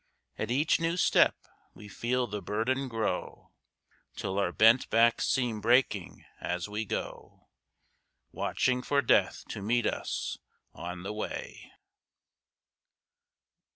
At each new step we feel the burden grow, Till our bent backs seem breaking as we go, Watching for Death to meet us on the way.